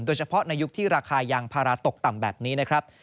โดยเฉพาะในยุคที่ราคายางพาราตกต่ำแบบนี้นะครับ